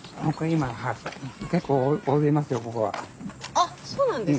あっそうなんですね。